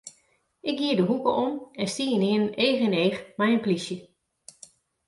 Ik gie de hoeke om en stie ynienen each yn each mei in polysje.